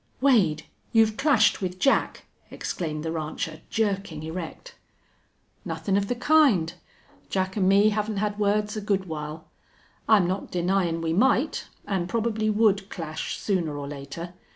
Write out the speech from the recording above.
"Wade, you've clashed with Jack!" exclaimed the rancher, jerking erect. "Nothin' of the kind. Jack an' me haven't had words a good while. I'm not denyin' we might, an' probably would clash sooner or later.